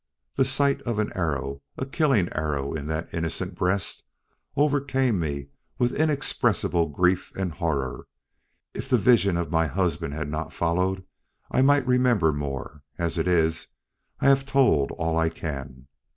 The sight of an arrow a killing arrow in that innocent breast overcame me with inexpressible grief and horror. If the vision of my husband had not followed, I might remember more. As it is, I have told all I can.